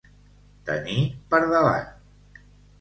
Tenir per davant.